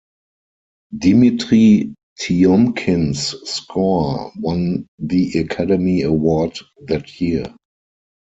Dimitri Tiomkin's score won the Academy Award that year.